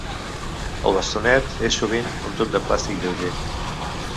El bastonet és sovint un tub de plàstic lleuger.